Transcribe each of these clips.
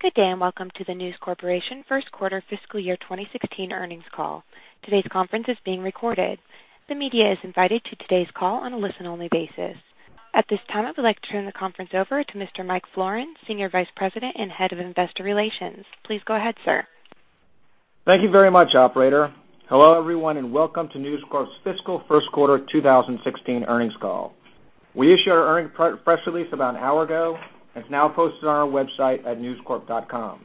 Good day, and welcome to the News Corporation first quarter fiscal year 2016 earnings call. Today's conference is being recorded. The media is invited to today's call on a listen-only basis. At this time, I would like to turn the conference over to Mr. Michael Florin, Senior Vice President and Head of Investor Relations. Please go ahead, sir. Thank you very much, operator. Hello, everyone, and welcome to News Corp's fiscal first quarter 2016 earnings call. We issued our earnings press release about an hour ago, and it's now posted on our website at newscorp.com.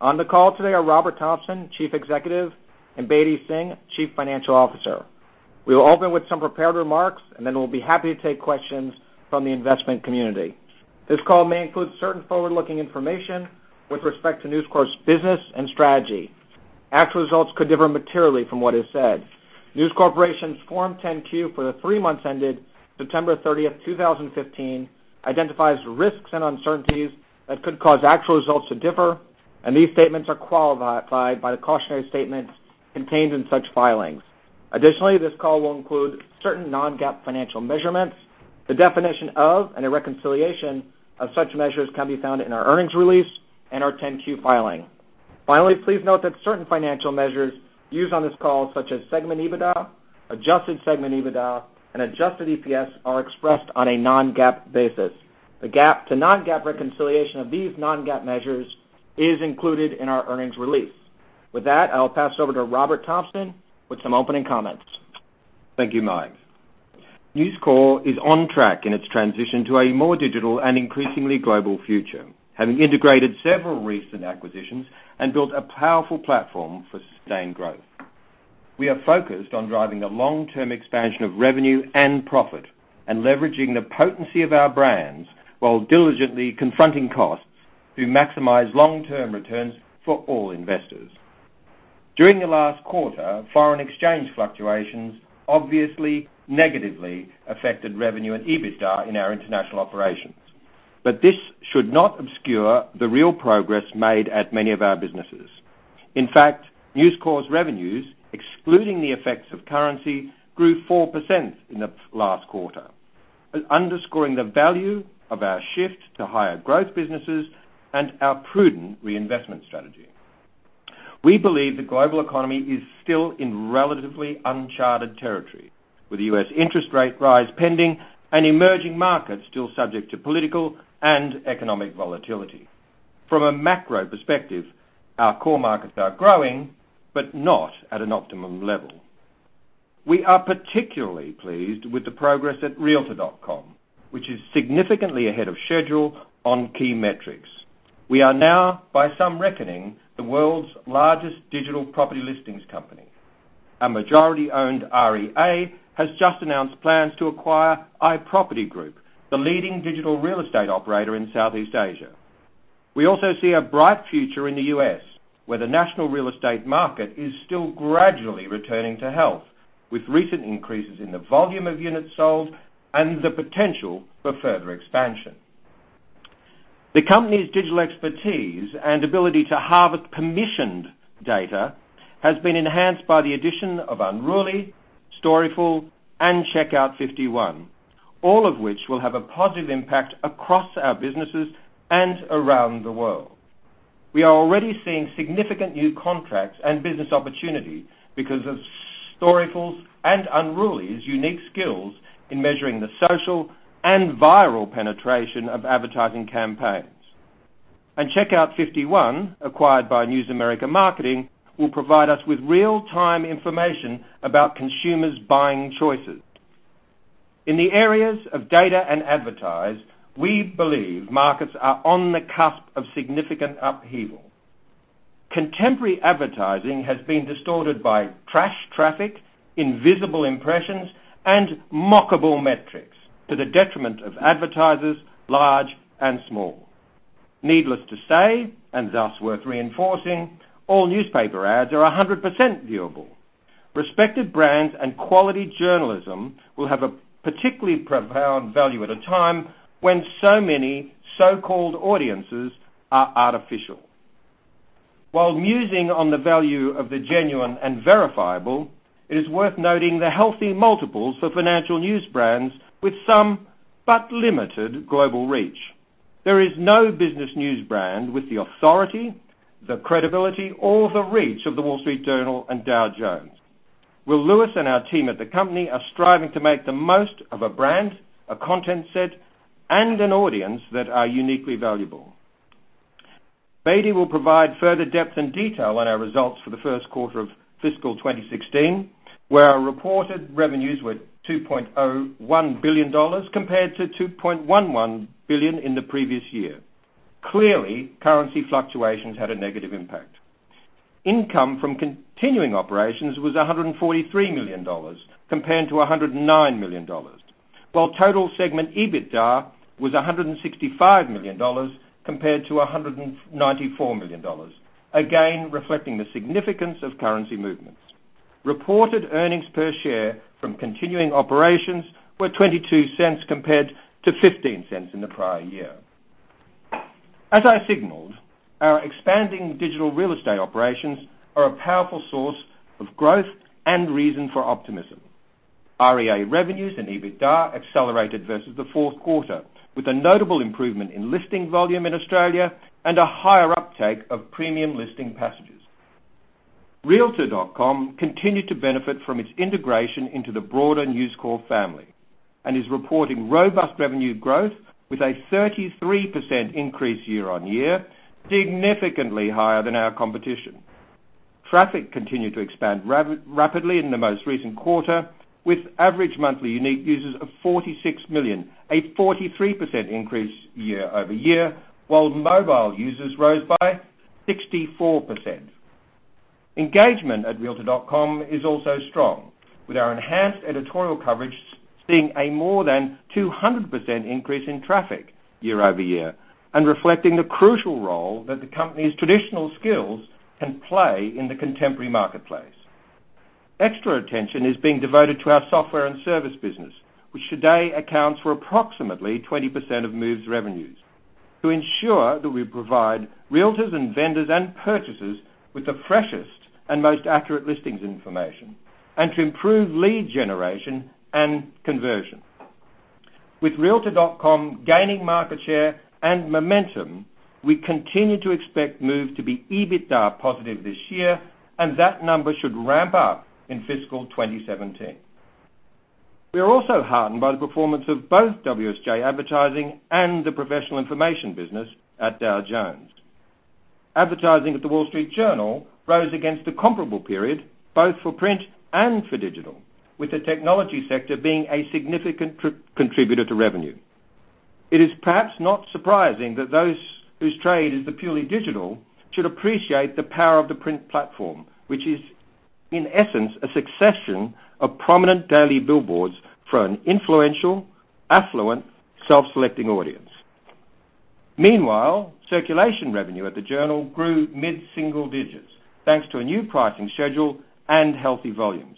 On the call today are Robert Thomson, Chief Executive, and Bedi Singh, Chief Financial Officer. We will open with some prepared remarks. Then we'll be happy to take questions from the investment community. This call may include certain forward-looking information with respect to News Corp's business and strategy. Actual results could differ materially from what is said. News Corporation's Form 10-Q for the three months ended September 30th, 2015, identifies risks and uncertainties that could cause actual results to differ, and these statements are qualified by the cautionary statements contained in such filings. Additionally, this call will include certain non-GAAP financial measurements. The definition of and a reconciliation of such measures can be found in our earnings release and our 10-Q filing. Finally, please note that certain financial measures used on this call, such as segment EBITDA, adjusted segment EBITDA, and adjusted EPS, are expressed on a non-GAAP basis. The GAAP to non-GAAP reconciliation of these non-GAAP measures is included in our earnings release. With that, I'll pass over to Robert Thomson with some opening comments. Thank you, Mike. News Corp is on track in its transition to a more digital and increasingly global future, having integrated several recent acquisitions and built a powerful platform for sustained growth. We are focused on driving the long-term expansion of revenue and profit and leveraging the potency of our brands while diligently confronting costs to maximize long-term returns for all investors. During the last quarter, foreign exchange fluctuations obviously negatively affected revenue and EBITDA in our international operations. This should not obscure the real progress made at many of our businesses. In fact, News Corp's revenues, excluding the effects of currency, grew 4% in the last quarter, underscoring the value of our shift to higher growth businesses and our prudent reinvestment strategy. We believe the global economy is still in relatively uncharted territory, with U.S. interest rate rise pending and emerging markets still subject to political and economic volatility. From a macro perspective, our core markets are growing, but not at an optimum level. We are particularly pleased with the progress at realtor.com, which is significantly ahead of schedule on key metrics. We are now, by some reckoning, the world's largest digital property listings company. Our majority-owned REA has just announced plans to acquire iProperty Group, the leading digital real estate operator in Southeast Asia. We also see a bright future in the U.S., where the national real estate market is still gradually returning to health, with recent increases in the volume of units sold and the potential for further expansion. The company's digital expertise and ability to harvest permissioned data has been enhanced by the addition of Unruly, Storyful, and Checkout 51, all of which will have a positive impact across our businesses and around the world. We are already seeing significant new contracts and business opportunity because of Storyful's and Unruly's unique skills in measuring the social and viral penetration of advertising campaigns. Checkout 51, acquired by News America Marketing, will provide us with real-time information about consumers' buying choices. In the areas of data and advertise, we believe markets are on the cusp of significant upheaval. Contemporary advertising has been distorted by trash traffic, invisible impressions, and mockable metrics to the detriment of advertisers, large and small. Needless to say, and thus worth reinforcing, all newspaper ads are 100% viewable. Respected brands and quality journalism will have a particularly profound value at a time when so many so-called audiences are artificial. While musing on the value of the genuine and verifiable, it is worth noting the healthy multiples for financial news brands with some but limited global reach. There is no business news brand with the authority, the credibility, or the reach of The Wall Street Journal and Dow Jones. Will Lewis and our team at the company are striving to make the most of a brand, a content set, and an audience that are uniquely valuable. Bedi will provide further depth and detail on our results for the first quarter of fiscal 2016, where our reported revenues were $2.01 billion, compared to $2.11 billion in the previous year. Clearly, currency fluctuations had a negative impact. Income from continuing operations was $143 million compared to $109 million. While total segment EBITDA was $165 million compared to $194 million, again reflecting the significance of currency movements. Reported earnings per share from continuing operations were $0.22 compared to $0.15 in the prior year. As I signaled, our expanding digital real estate operations are a powerful source of growth and reason for optimism. REA revenues and EBITDA accelerated versus the fourth quarter, with a notable improvement in listing volume in Australia and a higher uptake of premium listing passages. realtor.com continued to benefit from its integration into the broader News Corp family, and is reporting robust revenue growth with a 33% increase year-on-year, significantly higher than our competition. Traffic continued to expand rapidly in the most recent quarter, with average monthly unique users of 46 million, a 43% increase year-over-year, while mobile users rose by 64%. Engagement at realtor.com is also strong, with our enhanced editorial coverage seeing a more than 200% increase in traffic year-over-year and reflecting the crucial role that the company's traditional skills can play in the contemporary marketplace. Extra attention is being devoted to our software and service business, which today accounts for approximately 20% of Move's revenues to ensure that we provide realtors and vendors and purchasers with the freshest and most accurate listings information and to improve lead generation and conversion. With realtor.com gaining market share and momentum, we continue to expect Move to be EBITDA positive this year, and that number should ramp up in fiscal 2017. We are also heartened by the performance of both WSJ advertising and the professional information business at Dow Jones. Advertising at The Wall Street Journal rose against the comparable period both for print and for digital, with the technology sector being a significant contributor to revenue. It is perhaps not surprising that those whose trade is the purely digital should appreciate the power of the print platform, which is, in essence, a succession of prominent daily billboards for an influential, affluent, self-selecting audience. Meanwhile, circulation revenue at the Journal grew mid-single digits, thanks to a new pricing schedule and healthy volumes.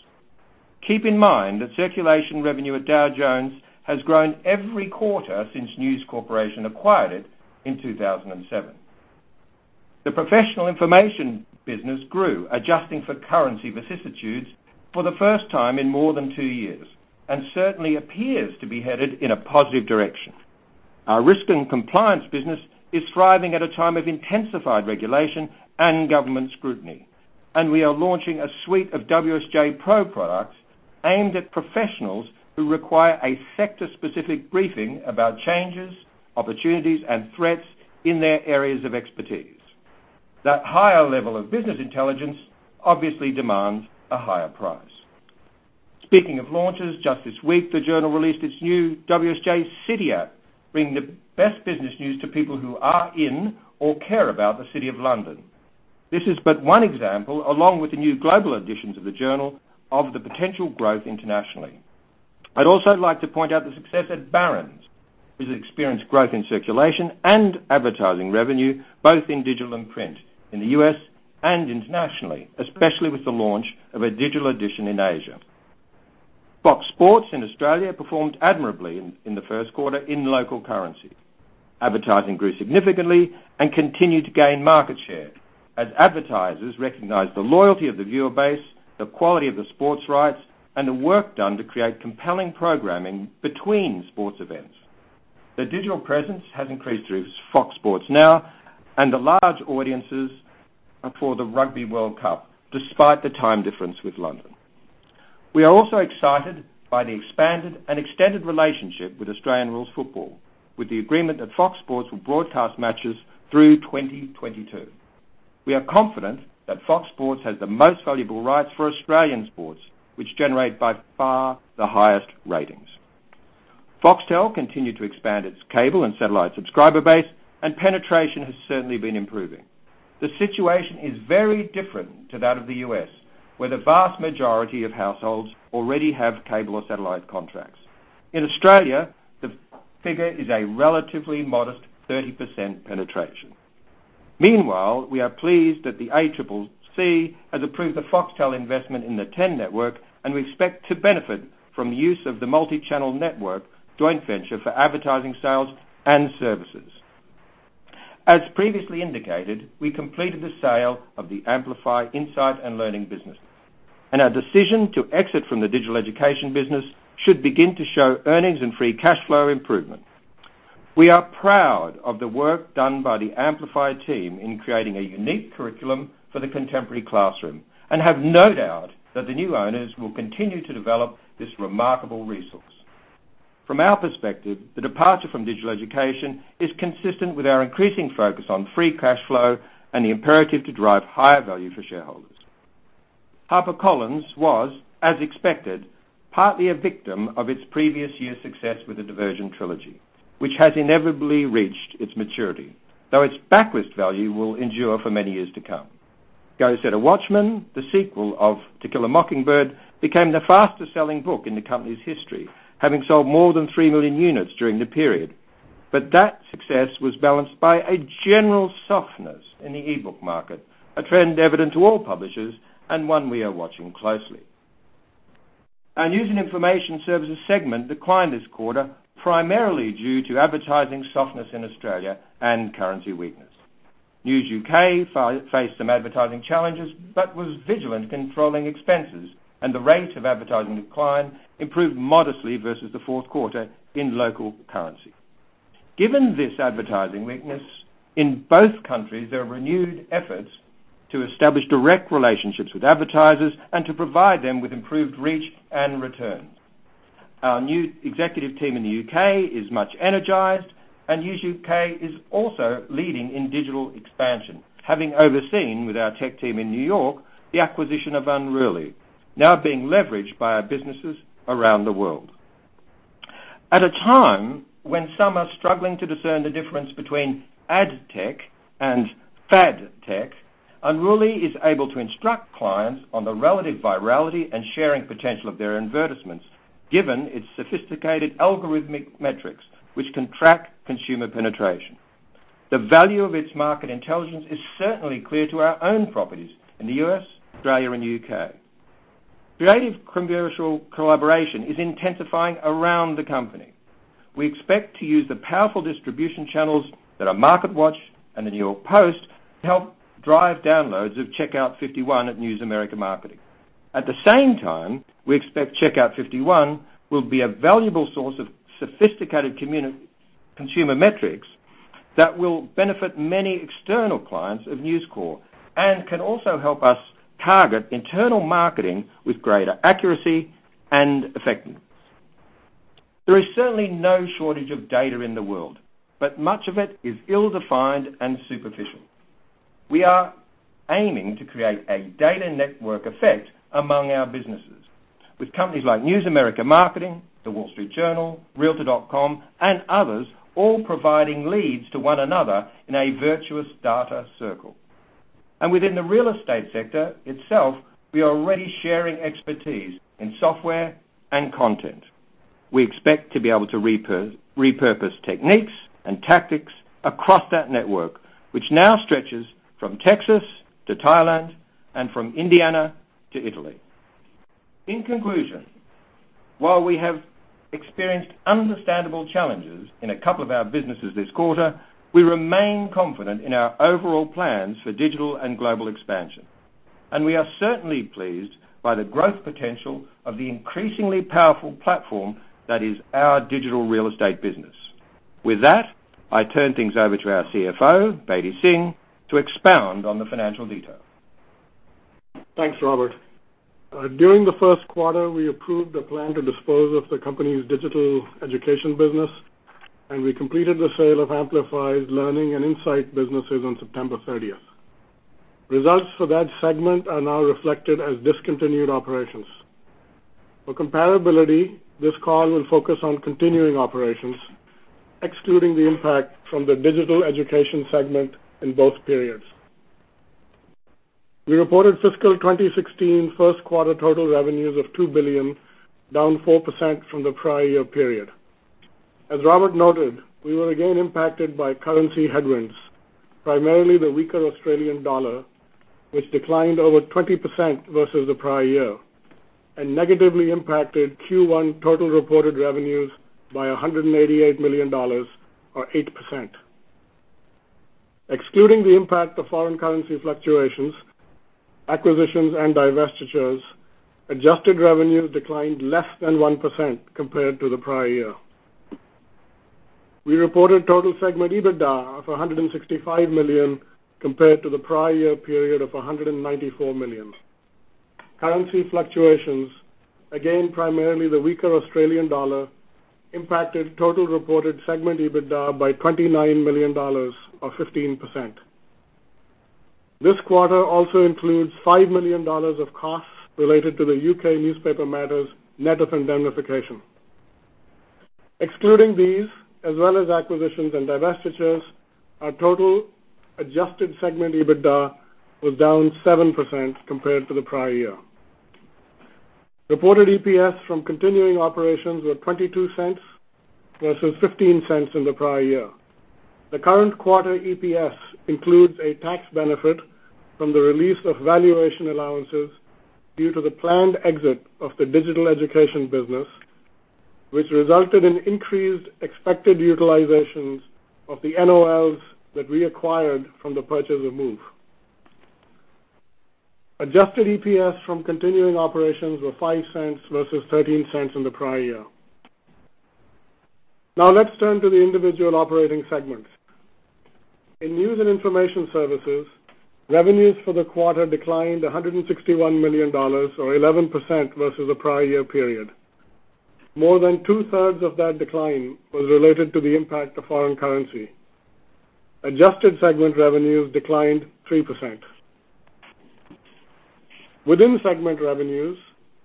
Keep in mind that circulation revenue at Dow Jones has grown every quarter since News Corporation acquired it in 2007. The professional information business grew, adjusting for currency vicissitudes for the first time in more than two years, and certainly appears to be headed in a positive direction. Our Risk & Compliance business is thriving at a time of intensified regulation and government scrutiny, and we are launching a suite of WSJ Pro products aimed at professionals who require a sector-specific briefing about changes, opportunities, and threats in their areas of expertise. That higher level of business intelligence obviously demands a higher price. Speaking of launches, just this week, the Journal released its new WSJ City app, bringing the best business news to people who are in or care about the City of London. This is but one example, along with the new global editions of the Journal of the potential growth internationally. I'd also like to point out the success at Barron's, who's experienced growth in circulation and advertising revenue both in digital and print in the U.S. and internationally, especially with the launch of a digital edition in Asia. Fox Sports in Australia performed admirably in the first quarter in local currency. Advertising grew significantly and continued to gain market share as advertisers recognized the loyalty of the viewer base, the quality of the sports rights, and the work done to create compelling programming between sports events. The digital presence has increased through Fox Sports now, the large audiences for the Rugby World Cup, despite the time difference with London. We are also excited by the expanded and extended relationship with Australian rules football, with the agreement that Fox Sports will broadcast matches through 2022. We are confident that Fox Sports has the most valuable rights for Australian sports, which generate by far the highest ratings. Foxtel continued to expand its cable and satellite subscriber base, and penetration has certainly been improving. The situation is very different to that of the U.S., where the vast majority of households already have cable or satellite contracts. In Australia, the figure is a relatively modest 30% penetration. Meanwhile, we are pleased that the ACCC has approved the Foxtel investment in the Ten Network, and we expect to benefit from the use of the multi-channel network joint venture for advertising sales and services. As previously indicated, we completed the sale of the Amplify insight and learning business, and our decision to exit from the digital education business should begin to show earnings and free cash flow improvement. We are proud of the work done by the Amplify team in creating a unique curriculum for the contemporary classroom and have no doubt that the new owners will continue to develop this remarkable resource. From our perspective, the departure from digital education is consistent with our increasing focus on free cash flow and the imperative to drive higher value for shareholders. HarperCollins was, as expected, partly a victim of its previous year's success with the Divergent trilogy, which has inevitably reached its maturity, though its backlist value will endure for many years to come. Go Set a Watchman, the sequel of To Kill a Mockingbird, became the fastest-selling book in the company's history, having sold more than 3 million units during the period. That success was balanced by a general softness in the e-book market, a trend evident to all publishers and one we are watching closely. Our News and Information Services segment declined this quarter, primarily due to advertising softness in Australia and currency weakness. News UK faced some advertising challenges but was vigilant in controlling expenses, and the rate of advertising decline improved modestly versus the fourth quarter in local currency. Given this advertising weakness in both countries, there are renewed efforts to establish direct relationships with advertisers and to provide them with improved reach and return. Our new executive team in the U.K. is much energized, and News UK is also leading in digital expansion, having overseen with our tech team in New York the acquisition of Unruly, now being leveraged by our businesses around the world. At a time when some are struggling to discern the difference between ad tech and fad tech, Unruly is able to instruct clients on the relative virality and sharing potential of their advertisements, given its sophisticated algorithmic metrics which can track consumer penetration. The value of its market intelligence is certainly clear to our own properties in the U.S., Australia, and U.K. Creative commercial collaboration is intensifying around the company. We expect to use the powerful distribution channels that are MarketWatch and the New York Post to help drive downloads of Checkout 51 at News America Marketing. At the same time, we expect Checkout 51 will be a valuable source of sophisticated consumer metrics that will benefit many external clients of News Corp and can also help us target internal marketing with greater accuracy and effectiveness. There is certainly no shortage of data in the world, but much of it is ill-defined and superficial. We are aiming to create a data network effect among our businesses with companies like News America Marketing, The Wall Street Journal, realtor.com, and others all providing leads to one another in a virtuous data circle. Within the real estate sector itself, we are already sharing expertise in software and content. We expect to be able to repurpose techniques and tactics across that network, which now stretches from Texas to Thailand and from Indiana to Italy. In conclusion, while we have experienced understandable challenges in a couple of our businesses this quarter, we remain confident in our overall plans for digital and global expansion. We are certainly pleased by the growth potential of the increasingly powerful platform that is our digital real estate business. With that, I turn things over to our CFO, Bedi Singh, to expound on the financial details. Thanks, Robert. During the first quarter, we approved a plan to dispose of the company's digital education business, we completed the sale of Amplify's learning and insight businesses on September 30th. Results for that segment are now reflected as discontinued operations. For comparability, this call will focus on continuing operations, excluding the impact from the digital education segment in both periods. We reported fiscal 2016 first quarter total revenues of $2 billion, down 4% from the prior year period. As Robert noted, we were again impacted by currency headwinds, primarily the weaker Australian dollar, which declined over 20% versus the prior year and negatively impacted Q1 total reported revenues by $188 million or 8%. Excluding the impact of foreign currency fluctuations, acquisitions, and divestitures, adjusted revenues declined less than 1% compared to the prior year. We reported total segment EBITDA of $165 million compared to the prior year period of $194 million. Currency fluctuations, again, primarily the weaker Australian dollar impacted total reported segment EBITDA by $29 million or 15%. This quarter also includes $5 million of costs related to the U.K. newspaper matters net of indemnification. Excluding these as well as acquisitions and divestitures, our total adjusted segment EBITDA was down 7% compared to the prior year. Reported EPS from continuing operations were $0.22 versus $0.15 in the prior year. The current quarter EPS includes a tax benefit from the release of valuation allowances due to the planned exit of the digital education business, which resulted in increased expected utilizations of the NOLs that we acquired from the purchase of Move. Adjusted EPS from continuing operations were $0.05 versus $0.13 in the prior year. Let's turn to the individual operating segments. In News and Information Services, revenues for the quarter declined $161 million or 11% versus the prior year period. More than two-thirds of that decline was related to the impact of foreign currency. Adjusted segment revenues declined 3%. Within segment revenues,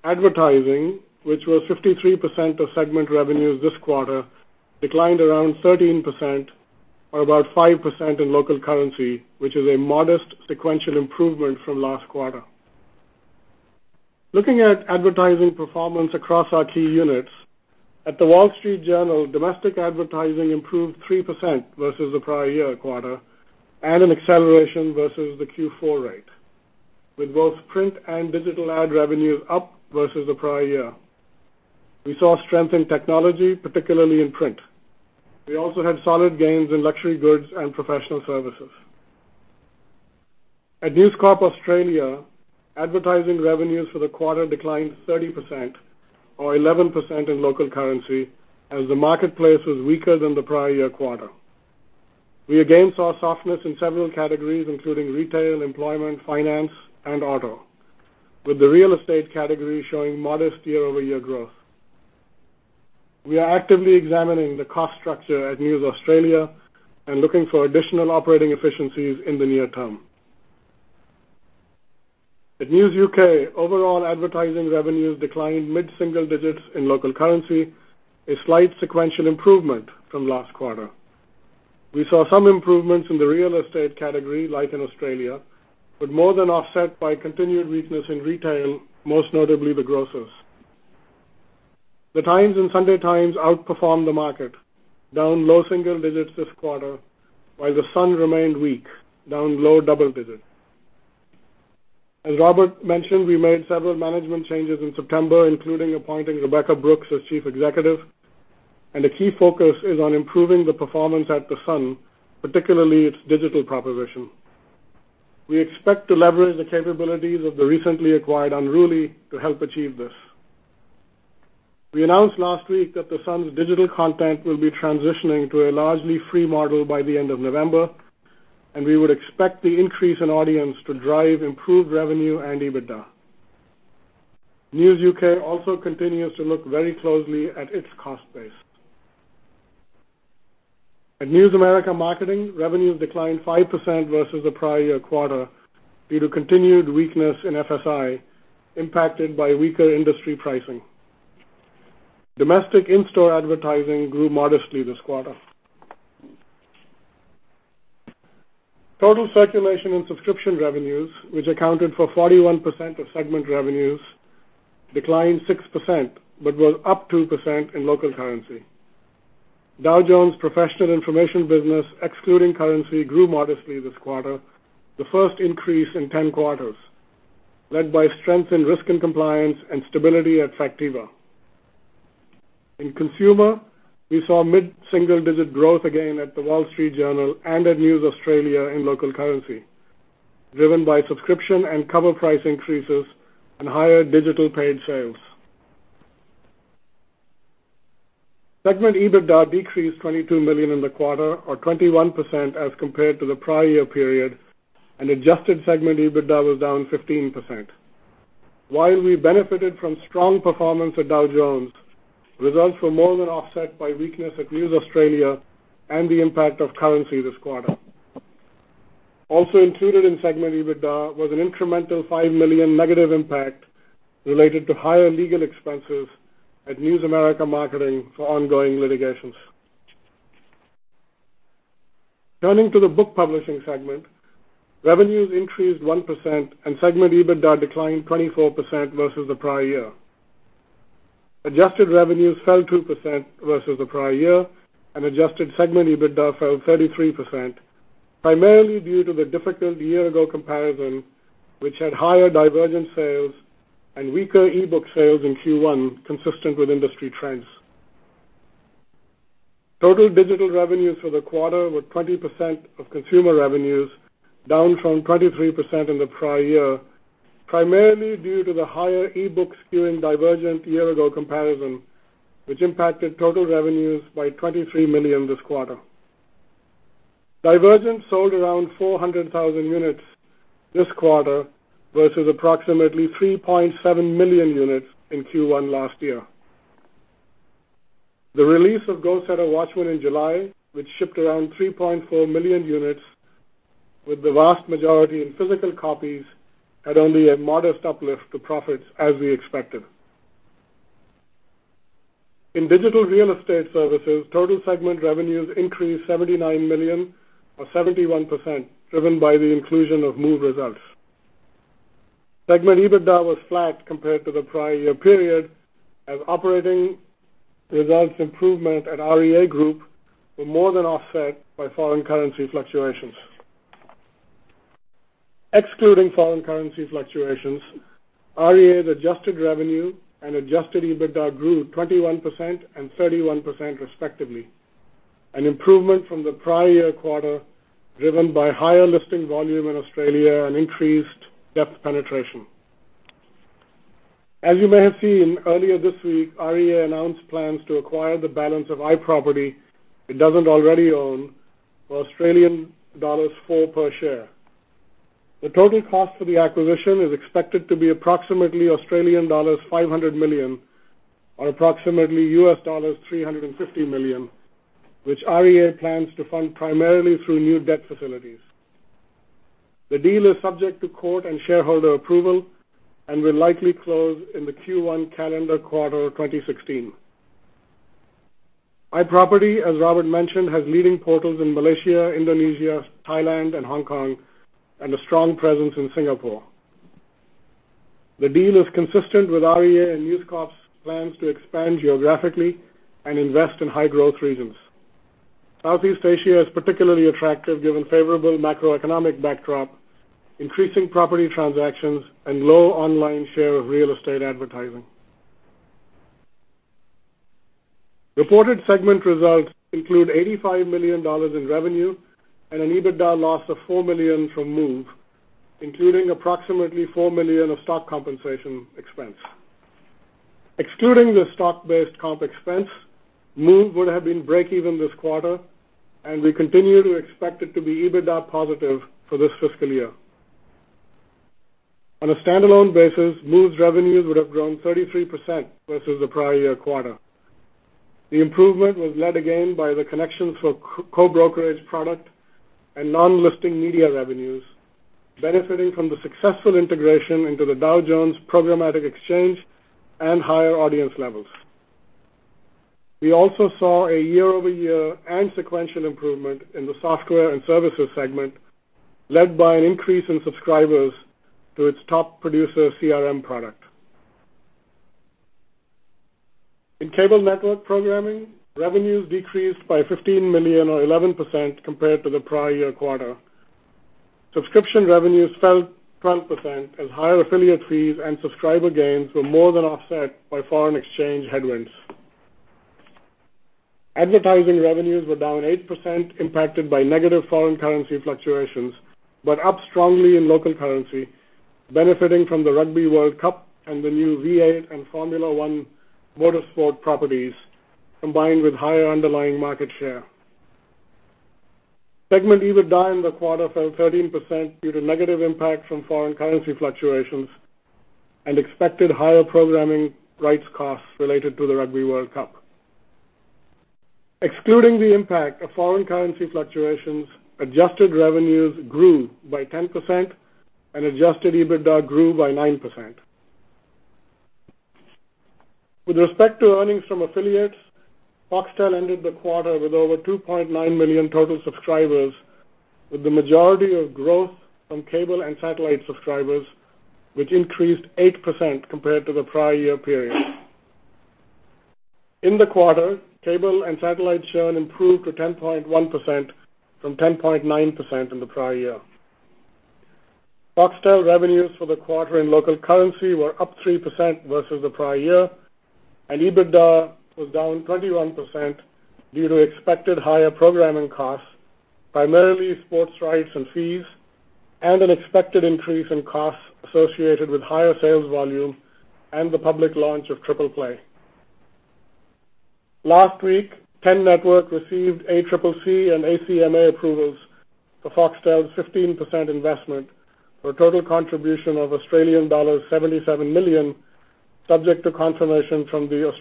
advertising, which was 53% of segment revenues this quarter, declined around 13% or about 5% in local currency, which is a modest sequential improvement from last quarter. Looking at advertising performance across our key units, at The Wall Street Journal, domestic advertising improved 3% versus the prior year quarter at an acceleration versus the Q4 rate, with both print and digital ad revenues up versus the prior year. We saw strength in technology, particularly in print. We also had solid gains in luxury goods and professional services. At News Corp Australia, advertising revenues for the quarter declined 30%, or 11% in local currency, as the marketplace was weaker than the prior year quarter. We again saw softness in several categories, including retail, employment, finance, and auto, with the real estate category showing modest year-over-year growth. We are actively examining the cost structure at News Australia and looking for additional operating efficiencies in the near term. At News UK, overall advertising revenues declined mid-single digits in local currency, a slight sequential improvement from last quarter. We saw some improvements in the real estate category, like in Australia, but more than offset by continued weakness in retail, most notably the grocers. The Times and Sunday Times outperformed the market, down low single digits this quarter, while The Sun remained weak, down low double digits. As Robert mentioned, we made several management changes in September, including appointing Rebekah Brooks as Chief Executive. A key focus is on improving the performance at The Sun, particularly its digital proposition. We expect to leverage the capabilities of the recently acquired Unruly to help achieve this. We announced last week that The Sun's digital content will be transitioning to a largely free model by the end of November. We would expect the increase in audience to drive improved revenue and EBITDA. News UK also continues to look very closely at its cost base. At News America Marketing, revenues declined 5% versus the prior year quarter due to continued weakness in FSI, impacted by weaker industry pricing. Domestic in-store advertising grew modestly this quarter. Total circulation and subscription revenues, which accounted for 41% of segment revenues, declined 6% but were up 2% in local currency. Dow Jones Professional Information business, excluding currency, grew modestly this quarter, the first increase in 10 quarters, led by strength in Risk & Compliance and stability at Factiva. In consumer, we saw mid-single digit growth again at The Wall Street Journal and at News Australia in local currency, driven by subscription and cover price increases and higher digital paid sales. Segment EBITDA decreased $22 million in the quarter, or 21% as compared to the prior year period. Adjusted segment EBITDA was down 15%. While we benefited from strong performance at Dow Jones, results were more than offset by weakness at News Australia and the impact of currency this quarter. Also included in segment EBITDA was an incremental $5 million negative impact related to higher legal expenses at News America Marketing for ongoing litigations. Turning to the book publishing segment, revenues increased 1%. Segment EBITDA declined 24% versus the prior year. Adjusted revenues fell 2% versus the prior year. Adjusted segment EBITDA fell 33%, primarily due to the difficult year ago comparison, which had higher Divergent sales and weaker e-book sales in Q1, consistent with industry trends. Total digital revenues for the quarter were 20% of consumer revenues, down from 23% in the prior year, primarily due to the higher e-book skewing Divergent year ago comparison, which impacted total revenues by $23 million this quarter. Divergent sold around 400,000 units this quarter versus approximately 3.7 million units in Q1 last year. The release of Go Set a Watchman in July, which shipped around 3.4 million units with the vast majority in physical copies, had only a modest uplift to profits as we expected. In digital real estate services, total segment revenues increased $79 million, or 71%, driven by the inclusion of Move results. Segment EBITDA was flat compared to the prior year period, as operating results improvement at REA Group were more than offset by foreign currency fluctuations. Excluding foreign currency fluctuations, REA's adjusted revenue and adjusted EBITDA grew 21% and 31% respectively, an improvement from the prior year quarter, driven by higher listing volume in Australia and increased depth penetration. As you may have seen earlier this week, REA announced plans to acquire the balance of iProperty it doesn't already own for Australian dollars 4 per share. The total cost for the acquisition is expected to be approximately Australian dollars 500 million, or approximately $350 million, which REA plans to fund primarily through new debt facilities. The deal is subject to court and shareholder approval and will likely close in the Q1 calendar quarter 2016. iProperty, as Robert mentioned, has leading portals in Malaysia, Indonesia, Thailand, and Hong Kong, and a strong presence in Singapore. The deal is consistent with REA and News Corp's plans to expand geographically and invest in high-growth regions. Southeast Asia is particularly attractive given favorable macroeconomic backdrop, increasing property transactions, and low online share of real estate advertising. Reported segment results include $85 million in revenue and an EBITDA loss of $4 million from Move, including approximately $4 million of stock compensation expense. Excluding the stock-based comp expense, Move would have been break-even this quarter, and we continue to expect it to be EBITDA positive for this fiscal year. On a standalone basis, Move's revenues would have grown 33% versus the prior year quarter. The improvement was led again by the Connections for co-brokerage product and non-listing media revenues, benefiting from the successful integration into the Dow Jones Programmatic Exchange and higher audience levels. We also saw a year-over-year and sequential improvement in the software and services segment, led by an increase in subscribers to its Top Producer CRM product. In cable network programming, revenues decreased by $15 million or 11% compared to the prior year quarter. Subscription revenues fell 12% as higher affiliate fees and subscriber gains were more than offset by foreign exchange headwinds. Advertising revenues were down 8%, impacted by negative foreign currency fluctuations, but up strongly in local currency, benefiting from the Rugby World Cup and the new V8 and Formula 1 motorsport properties, combined with higher underlying market share. Segment EBITDA in the quarter fell 13% due to negative impacts from foreign currency fluctuations and expected higher programming rights costs related to the Rugby World Cup. Excluding the impact of foreign currency fluctuations, adjusted revenues grew by 10% and adjusted EBITDA grew by 9%. With respect to earnings from affiliates, Foxtel ended the quarter with over 2.9 million total subscribers, with the majority of growth from cable and satellite subscribers, which increased 8% compared to the prior year period. In the quarter, cable and satellite churn improved to 10.1% from 10.9% in the prior year. Foxtel revenues for the quarter in local currency were up 3% versus the prior year, and EBITDA was down 21% due to expected higher programming costs, primarily sports rights and fees, and an expected increase in costs associated with higher sales volume and the public launch of Triple Play. Last week, Ten Network received ACCC and ACMA approvals for Foxtel's 15% investment for a total contribution of Australian dollars 77 million, subject to confirmation from the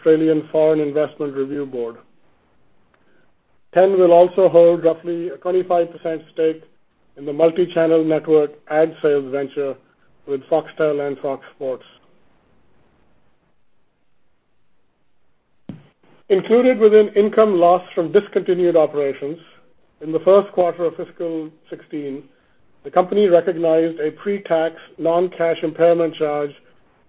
Foreign Investment Review Board. Ten will also hold roughly a 25% stake in the multi-channel network ad sales venture with Foxtel and Fox Sports. Included within income loss from discontinued operations in the first quarter of fiscal 2016, the company recognized a pre-tax non-cash impairment charge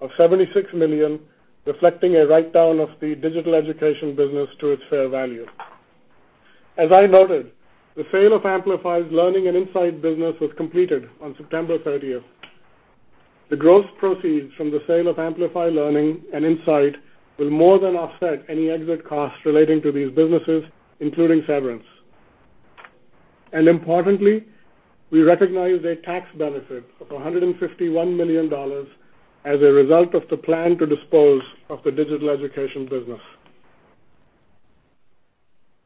of $76 million, reflecting a write-down of the digital education business to its fair value. As I noted, the sale of Amplify's Learning and Insight business was completed on September 30th. The gross proceeds from the sale of Amplify Learning and Insight will more than offset any exit costs relating to these businesses, including severance. Importantly, we recognized a tax benefit of $151 million as a result of the plan to dispose of the digital education business.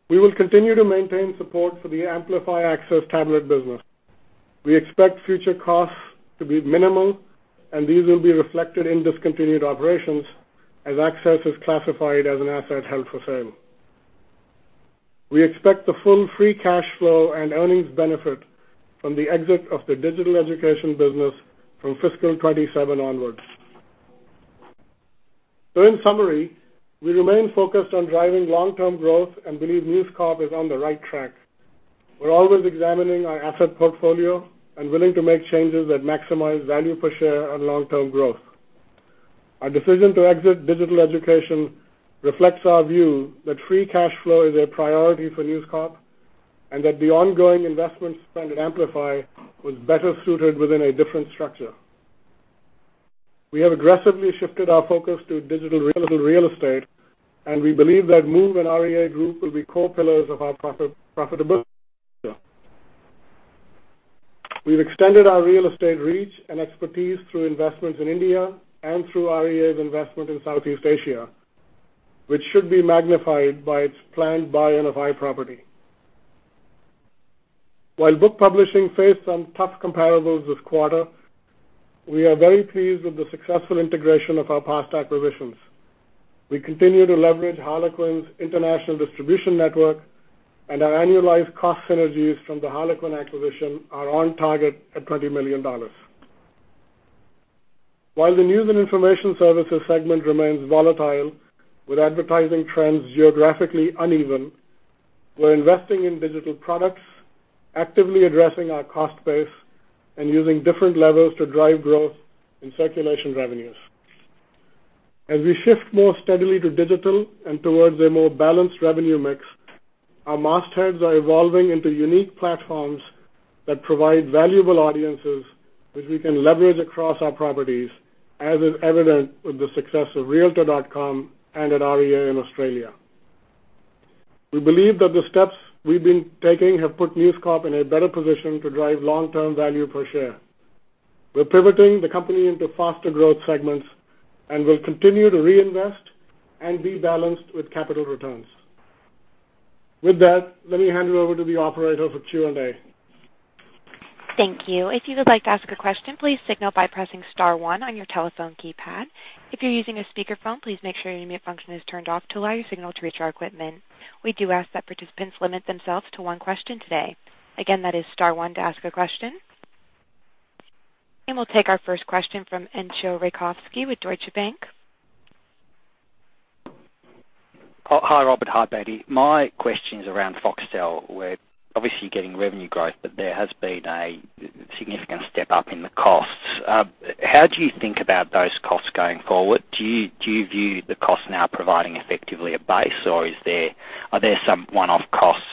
We will continue to maintain support for the Amplify Access tablet business. We expect future costs to be minimal, and these will be reflected in discontinued operations as Access is classified as an asset held for sale. We expect the full free cash flow and earnings benefit from the exit of the digital education business from fiscal 2027 onwards. In summary, we remain focused on driving long-term growth and believe News Corp is on the right track. We're always examining our asset portfolio and willing to make changes that maximize value per share and long-term growth. Our decision to exit digital education reflects our view that free cash flow is a priority for News Corp, and that the ongoing investment spend at Amplify was better suited within a different structure. We have aggressively shifted our focus to digital real estate, and we believe that Move and REA Group will be core pillars of our profitability. We've extended our real estate reach and expertise through investments in India and through REA's investment in Southeast Asia, which should be magnified by its planned buy of iProperty. While book publishing faced some tough comparables this quarter, we are very pleased with the successful integration of our past acquisitions. We continue to leverage Harlequin's international distribution network, and our annualized cost synergies from the Harlequin acquisition are on target at $20 million. While the news and information services segment remains volatile with advertising trends geographically uneven, we're investing in digital products, actively addressing our cost base, and using different levers to drive growth in circulation revenues. As we shift more steadily to digital and towards a more balanced revenue mix, our mastheads are evolving into unique platforms that provide valuable audiences which we can leverage across our properties, as is evident with the success of realtor.com and at REA in Australia. We believe that the steps we've been taking have put News Corp in a better position to drive long-term value per share. We're pivoting the company into faster growth segments and will continue to reinvest and be balanced with capital returns. With that, let me hand it over to the operator for Q&A. Thank you. If you would like to ask a question, please signal by pressing star one on your telephone keypad. If you're using a speakerphone, please make sure your mute function is turned off to allow your signal to reach our equipment. We do ask that participants limit themselves to one question today. Again, that is star one to ask a question. We'll take our first question from Entcho Raykovski with Deutsche Bank. Hi, Robert. Hi, Bedi. My question is around Foxtel. We're obviously getting revenue growth, but there has been a significant step up in the costs. How do you think about those costs going forward? Do you view the cost now providing effectively a base, or are there some one-off costs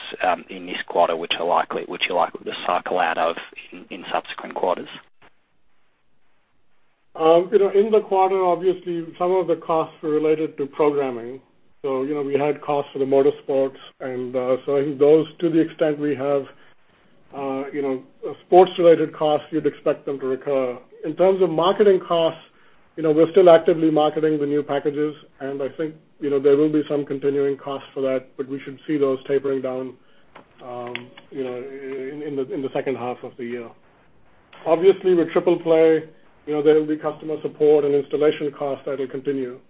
in this quarter which you likely to cycle out of in subsequent quarters? In the quarter, obviously, some of the costs were related to programming. We had costs for the motorsports, I think those, to the extent we have sports-related costs, you'd expect them to recur. In terms of marketing costs, we're still actively marketing the new packages, I think there will be some continuing costs for that, we should see those tapering down in the second half of the year. Obviously, with Triple Play, there will be customer support and installation costs that will continue.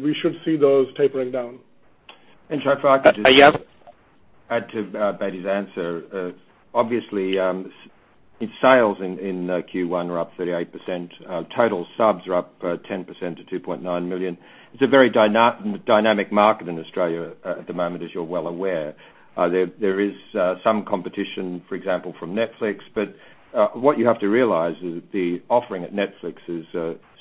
We should see those tapering down. If I could just- Yeah add to Bedi's answer. Obviously, its sales in Q1 are up 38%, total subs are up 10% to 2.9 million. It's a very dynamic market in Australia at the moment, as you're well aware. There is some competition, for example, from Netflix, but what you have to realize is the offering at Netflix is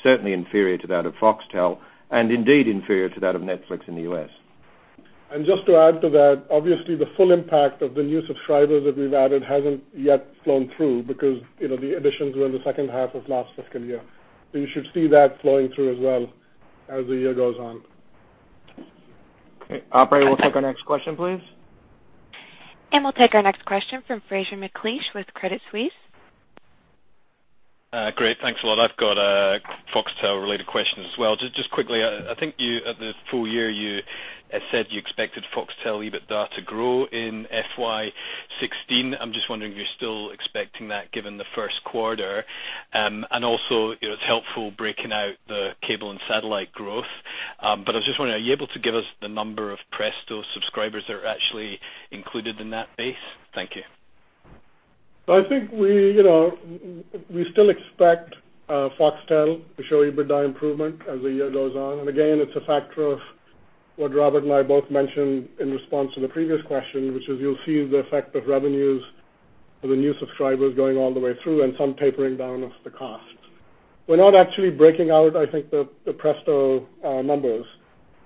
certainly inferior to that of Foxtel, and indeed inferior to that of Netflix in the U.S. Just to add to that, obviously the full impact of the new subscribers that we've added hasn't yet flown through because the additions were in the second half of last fiscal year. You should see that flowing through as well as the year goes on. Okay. Operator, we'll take our next question, please. We'll take our next question from Fraser McLeish with Credit Suisse. Great. Thanks a lot. I've got a Foxtel-related question as well. Just quickly, I think at the full year, you said you expected Foxtel EBITDA to grow in FY 2016. I'm just wondering if you're still expecting that given the first quarter. Also, it's helpful breaking out the cable and satellite growth. I just wonder, are you able to give us the number of Presto subscribers that are actually included in that base? Thank you. I think we still expect Foxtel to show EBITDA improvement as the year goes on. Again, it's a factor of what Robert and I both mentioned in response to the previous question, which is you'll see the effect of revenues for the new subscribers going all the way through and some tapering down of the costs. We're not actually breaking out, I think, the Presto numbers.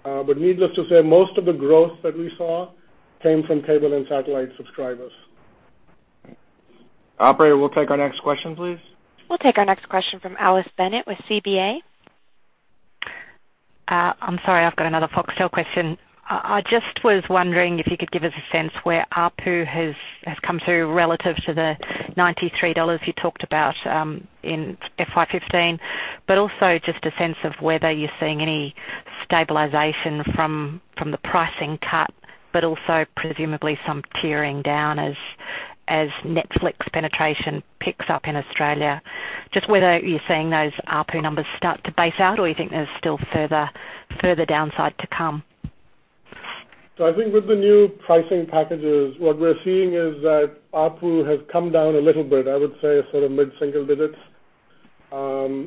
Needless to say, most of the growth that we saw came from cable and satellite subscribers. Operator, we'll take our next question, please. We'll take our next question from Alice Bennett with CBA. I'm sorry, I've got another Foxtel question. I just was wondering if you could give us a sense where ARPU has come through relative to the $93 you talked about in FY 2015, but also just a sense of whether you're seeing any stabilization from the pricing cut, but also presumably some tiering down as Netflix penetration picks up in Australia. Whether you're seeing those ARPU numbers start to base out, or you think there's still further downside to come. I think with the new pricing packages, what we're seeing is that ARPU has come down a little bit, I would say sort of mid-single digits.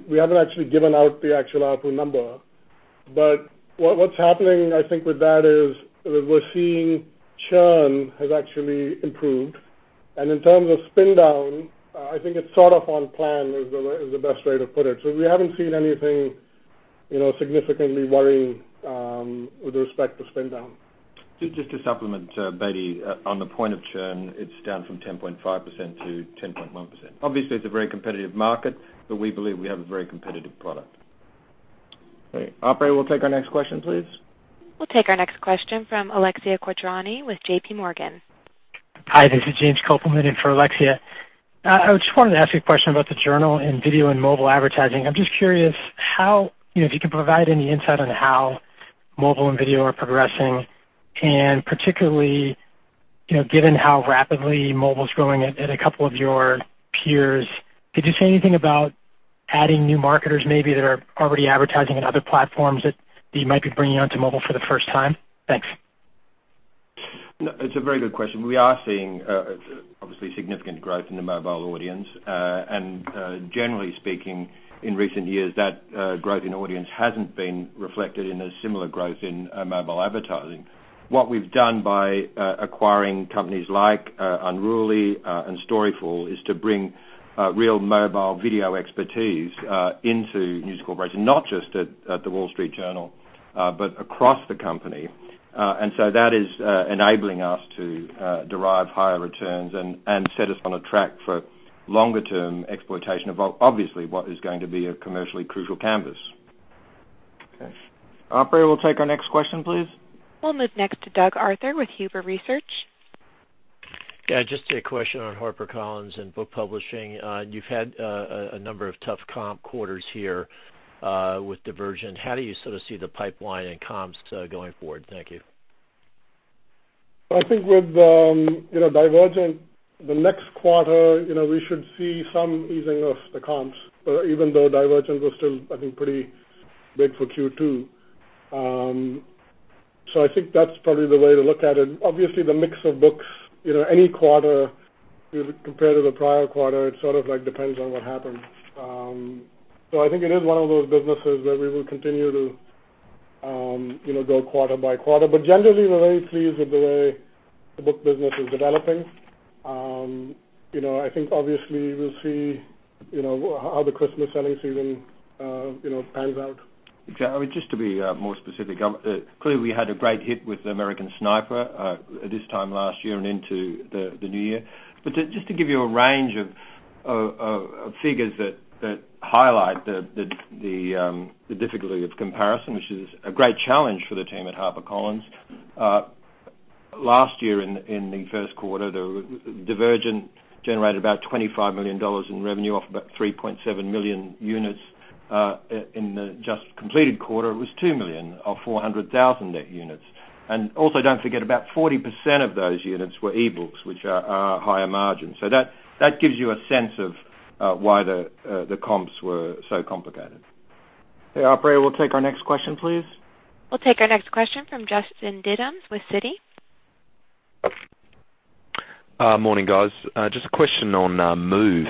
We haven't actually given out the actual ARPU number. What's happening I think with that is we're seeing churn has actually improved, and in terms of spin down, I think it's sort of on plan is the best way to put it. We haven't seen anything significantly worrying with respect to spin down. To supplement Bedi on the point of churn, it's down from 10.5% to 10.1%. Obviously, it's a very competitive market, but we believe we have a very competitive product. Great. Operator, we'll take our next question, please. We'll take our next question from Alexia Quadrani with J.P. Morgan. Hi, this is James Kopelman in for Alexia. I just wanted to ask a question about the Journal in video and mobile advertising. Particularly, given how rapidly mobile's growing at a couple of your peers, could you say anything about adding new marketers maybe that are already advertising on other platforms that you might be bringing on to mobile for the first time? Thanks. It's a very good question. We are seeing obviously significant growth in the mobile audience. Generally speaking, in recent years, that growth in audience hasn't been reflected in a similar growth in mobile advertising. What we've done by acquiring companies like Unruly and Storyful is to bring real mobile video expertise into News Corporation, not just at The Wall Street Journal, but across the company. So that is enabling us to derive higher returns and set us on a track for longer term exploitation of, obviously, what is going to be a commercially crucial canvas. Okay. Operator, we'll take our next question, please. We'll move next to Doug Arthur with Huber Research. Yeah. Just a question on HarperCollins and book publishing. You've had a number of tough comp quarters here with Divergent. How do you sort of see the pipeline and comps going forward? Thank you. I think with Divergent, the next quarter, we should see some easing of the comps, even though Divergent was still, I think, pretty big for Q2. That's probably the way to look at it. Obviously, the mix of books, any quarter compared to the prior quarter, it sort of depends on what happens. It is one of those businesses where we will continue to go quarter by quarter. Generally, we're very pleased with the way the book business is developing. I think obviously we'll see how the Christmas selling season pans out. Exactly. Just to be more specific, clearly, we had a great hit with the American Sniper at this time last year and into the new year. Just to give you a range of figures that highlight the difficulty of comparison, which is a great challenge for the team at HarperCollins. Last year in the first quarter, Divergent generated about $25 million in revenue off about 3.7 million units. In the just completed quarter, it was $2 million of 400,000 net units. Also, don't forget, about 40% of those units were e-books, which are higher margin. That gives you a sense of why the comps were so complicated. Okay, operator, we'll take our next question, please. We'll take our next question from Justin Diddams with Citi. Morning, guys. Just a question on Move.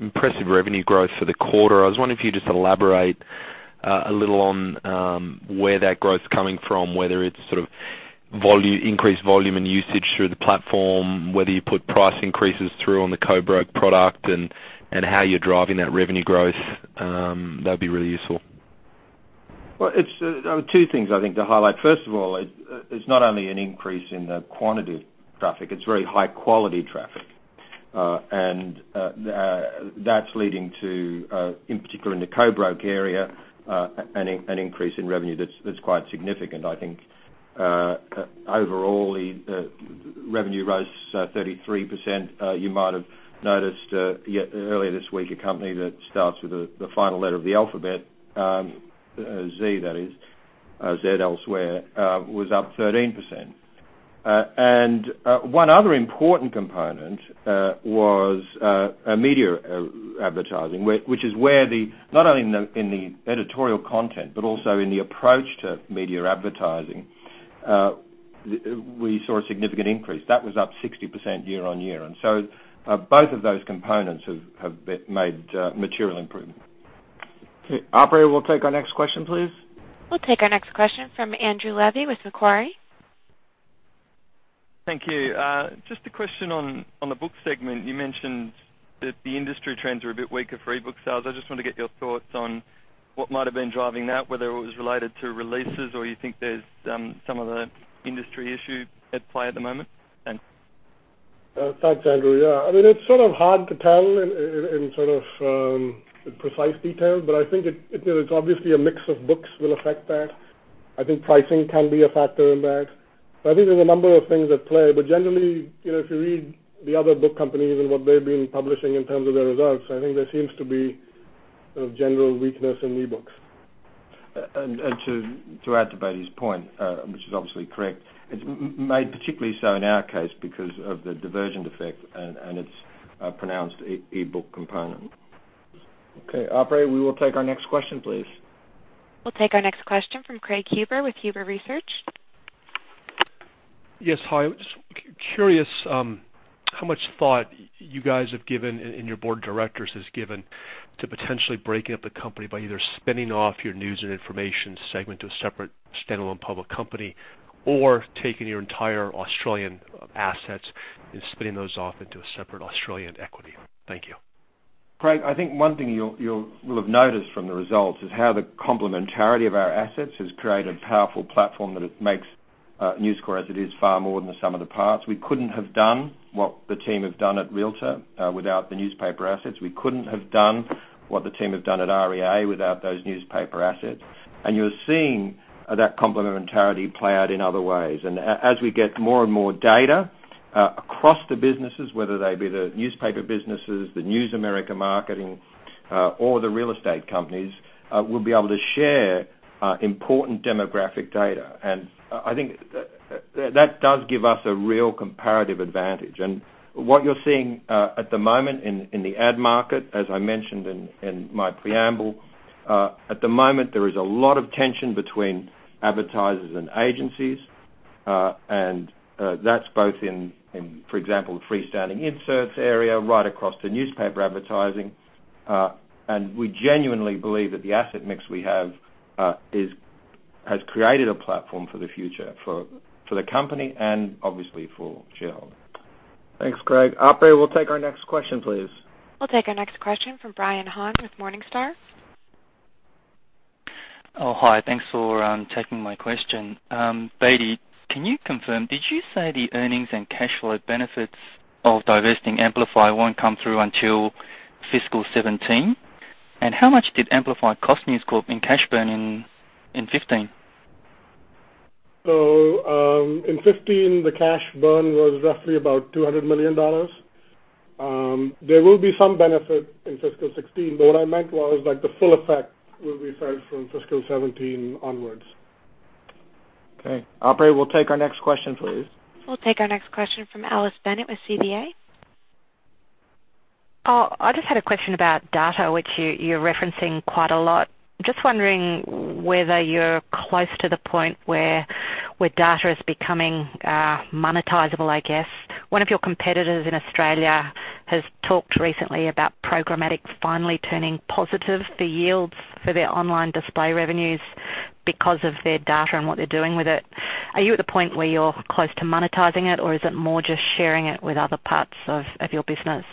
Impressive revenue growth for the quarter. I was wondering if you could just elaborate a little on where that growth's coming from, whether it's sort of increased volume and usage through the platform, whether you put price increases through on the co-broke product, and how you're driving that revenue growth. That'd be really useful. Well, two things I think to highlight. First of all, it's not only an increase in the quantity traffic, it's very high-quality traffic. That's leading to, in particular in the co-broke area, an increase in revenue that's quite significant. I think, overall, the revenue rose 33%. You might have noticed, earlier this week, a company that starts with the final letter of the alphabet, Z that is, Z elsewhere, was up 13%. One other important component was media advertising, which is where the, not only in the editorial content, but also in the approach to media advertising. We saw a significant increase. That was up 60% year-over-year. So both of those components have made material improvements. Okay. Operator, we'll take our next question, please. We'll take our next question from Andrew Levy with Macquarie. Thank you. Just a question on the book segment. You mentioned that the industry trends are a bit weaker for e-book sales. I just want to get your thoughts on what might have been driving that, whether it was related to releases or you think there's some of the industry issue at play at the moment? Thanks. Thanks, Andrew. Yeah. It's sort of hard to tell in precise detail, but I think it's obviously a mix of books will affect that. I think pricing can be a factor in that. I think there's a number of things at play, but generally, if you read the other book companies and what they've been publishing in terms of their results, I think there seems to be sort of general weakness in e-books. To add to Bedi's point, which is obviously correct, it's made particularly so in our case because of the Divergent effect and its pronounced e-book component. Okay. Operator, we will take our next question, please. We'll take our next question from Craig Huber with Huber Research. Yes. Hi. Just curious how much thought you guys have given and your board of directors has given to potentially breaking up the company by either spinning off your news and information segment to a separate standalone public company or taking your entire Australian assets and spinning those off into a separate Australian equity. Thank you. Craig, I think one thing you'll have noticed from the results is how the complementarity of our assets has created a powerful platform that it makes News Corp as it is far more than the sum of the parts. We couldn't have done what the team have done at Realtor without the newspaper assets. We couldn't have done what the team have done at REA without those newspaper assets. You're seeing that complementarity play out in other ways. As we get more and more data across the businesses, whether they be the newspaper businesses, News America Marketing, or the real estate companies, we'll be able to share important demographic data. I think that does give us a real comparative advantage. What you're seeing at the moment in the ad market, as I mentioned in my preamble, at the moment, there is a lot of tension between advertisers and agencies. That's both in, for example, the freestanding inserts area right across to newspaper advertising. We genuinely believe that the asset mix we have has created a platform for the future, for the company and obviously for shareholders. Thanks, Craig. Operator, we'll take our next question, please. We'll take our next question from Brian Han with Morningstar. Hi. Thanks for taking my question. Bedi, can you confirm, did you say the earnings and cash flow benefits of divesting Amplify won't come through until fiscal 2017? How much did Amplify cost News Corp in cash burn in 2015? In 2015, the cash burn was roughly about $200 million. There will be some benefit in fiscal 2016, what I meant was the full effect will be felt from fiscal 2017 onwards. Okay. Operator, we'll take our next question, please. We'll take our next question from Alice Bennett with CBA. I just had a question about data, which you're referencing quite a lot. Just wondering whether you're close to the point where data is becoming monetizable, I guess. One of your competitors in Australia has talked recently about programmatic finally turning positive for yields for their online display revenues because of their data and what they're doing with it. Are you at the point where you're close to monetizing it, or is it more just sharing it with other parts of your business?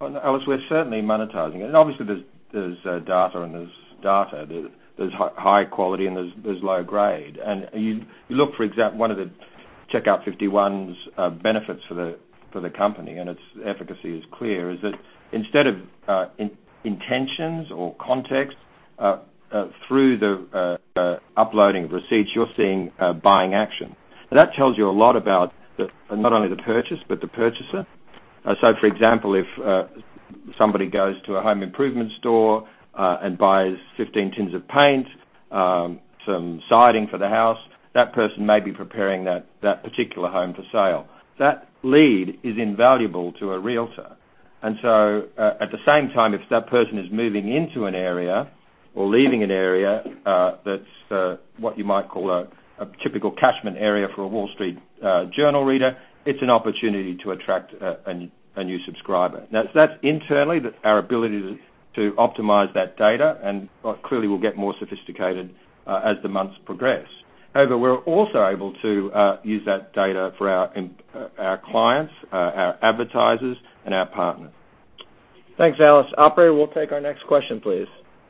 Alice, we're certainly monetizing it. Obviously, there's data and there's data. There's high quality and there's low grade. You look, for example, one of the Checkout 51's benefits for the company, and its efficacy is clear, is that instead of intentions or context through the uploading of receipts, you're seeing buying action. That tells you a lot about not only the purchase, but the purchaser. So for example, if somebody goes to a home improvement store and buys 15 tins of paint, some siding for the house, that person may be preparing that particular home for sale. That lead is invaluable to a realtor. At the same time, if that person is moving into an area or leaving an area that's what you might call a typical catchment area for a Wall Street Journal reader, it's an opportunity to attract a new subscriber. That's internally our ability to optimize that data, and clearly we'll get more sophisticated as the months progress. We're also able to use that data for our clients, our advertisers, and our partners. Thanks, Alice. Operator, we'll take our next question, please.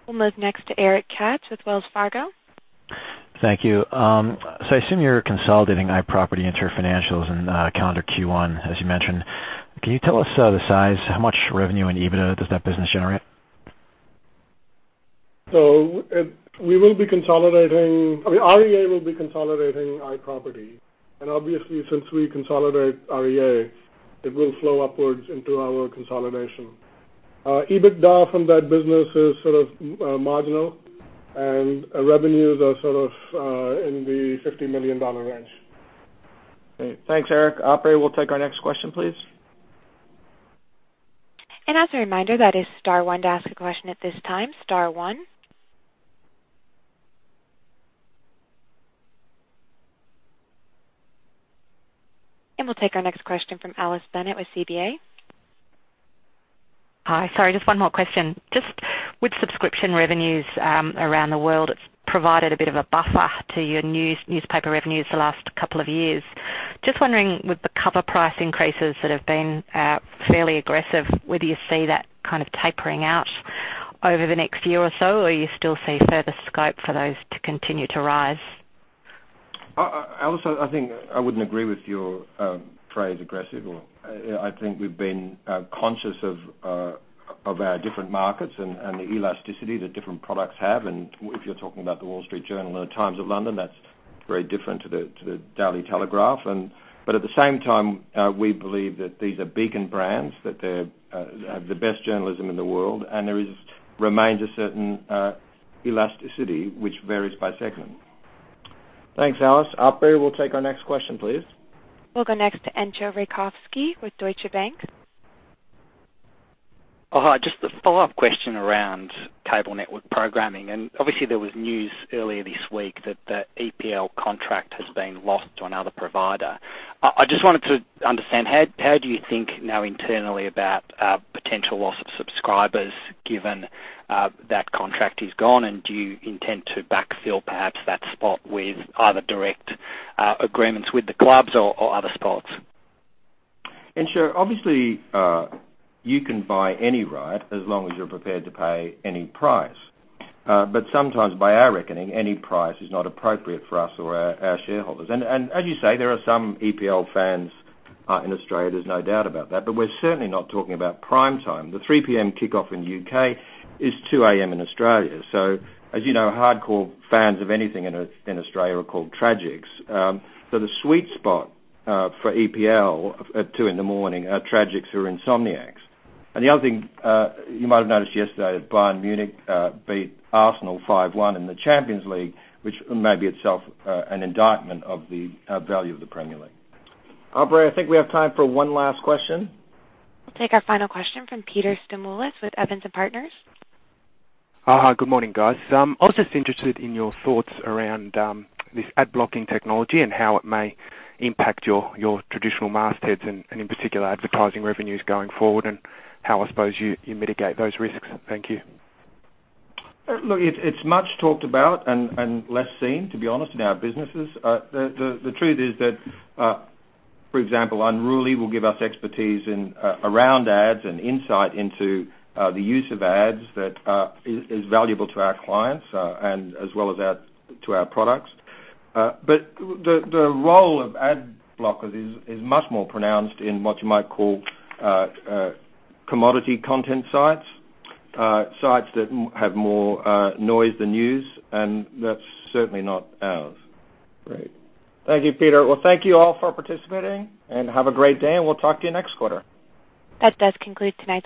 We'll move next to Eric Katz with Wells Fargo. Thank you. I assume you're consolidating iProperty into your financials in calendar Q1, as you mentioned. Can you tell us the size? How much revenue and EBITDA does that business generate? We will be consolidating-- I mean, REA will be consolidating iProperty. Obviously, since we consolidate REA, it will flow upwards into our consolidation. EBITDA from that business is sort of marginal, and revenues are sort of in the $50 million range. Great. Thanks, Eric. Operator, we'll take our next question, please. As a reminder, that is star one to ask a question at this time, star one. We'll take our next question from Alice Bennett with CBA. Hi. Sorry, just one more question. Just with subscription revenues around the world, it's provided a bit of a buffer to your newspaper revenues the last couple of years. Just wondering, with the cover price increases that have been fairly aggressive, whether you see that kind of tapering out over the next year or so, or you still see further scope for those to continue to rise? Alice, I think I wouldn't agree with your phrase aggressive. I think we've been conscious of our different markets and the elasticity that different products have. If you're talking about The Wall Street Journal or The Times of London, that's very different to The Daily Telegraph. At the same time, we believe that these are beacon brands, that they have the best journalism in the world, and there remains a certain elasticity which varies by segment. Thanks, Alice. Operator, we'll take our next question, please. We'll go next to Entcho Raykovski with Deutsche Bank. Oh, hi. Just a follow-up question around cable network programming. Obviously, there was news earlier this week that the EPL contract has been lost to another provider. I just wanted to understand, how do you think now internally about potential loss of subscribers given that contract is gone? Do you intend to backfill perhaps that spot with either direct agreements with the clubs or other spots? Entcho, obviously, you can buy any right as long as you're prepared to pay any price. Sometimes, by our reckoning, any price is not appropriate for us or our shareholders. As you say, there are some EPL fans in Australia, there's no doubt about that, but we're certainly not talking about prime time. The 3:00 P.M. kickoff in U.K. is 2:00 A.M. in Australia. As you know, hardcore fans of anything in Australia are called tragics. The sweet spot for EPL at 2:00 in the morning are tragics or insomniacs. The other thing you might have noticed yesterday is Bayern Munich beat Arsenal five-one in the Champions League, which may be itself an indictment of the value of the Premier League. Operator, I think we have time for one last question. We'll take our final question from Peter Stimpson with Evans & Partners. Hi. Good morning, guys. I was just interested in your thoughts around this ad blocking technology and how it may impact your traditional mastheads and in particular advertising revenues going forward and how, I suppose, you mitigate those risks. Thank you. It's much talked about and less seen, to be honest, in our businesses. The truth is that, for example, Unruly will give us expertise around ads and insight into the use of ads that is valuable to our clients as well as to our products. The role of ad blockers is much more pronounced in what you might call commodity content sites that have more noise than news, and that's certainly not ours. Great. Thank you, Peter. Well, thank you all for participating, and have a great day, and we'll talk to you next quarter. That does conclude tonight's-